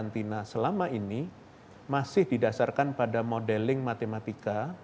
karantina selama ini masih didasarkan pada modeling matematika